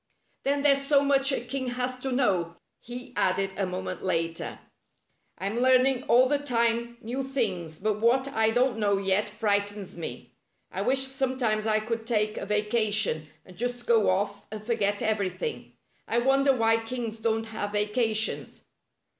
" Then there's so much a king has to know," he added a moment later. " I'm learning all the time new things, but what I don't know yet frightens me. I wish sometimes I could take a vacation, and just go off and forget everything. I wonder why kings don't have vacations."